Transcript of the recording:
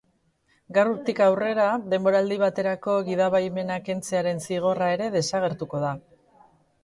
Gaurtik aurrera denboraldi baterako gidabaimena kentzearen zigorra ere desagertuko da.